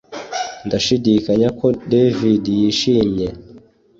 Ndashidikanya ko David yishimye